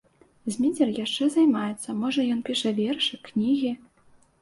Зміцер яшчэ займаецца, можа, ён піша вершы, кнігі?